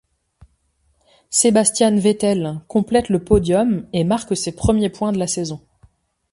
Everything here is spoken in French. Sebastian Vettel complète le podium et marque ses premiers points de la saison.